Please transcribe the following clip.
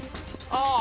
ああ！